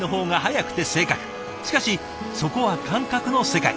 しかしそこは感覚の世界。